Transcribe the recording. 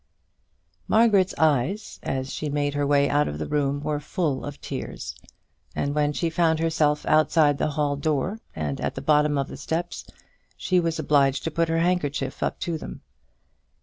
Margaret's eyes, as she made her way out of the room were full of tears, and when she found herself outside the hall door, and at the bottom of the steps, she was obliged to put her handkerchief up to them.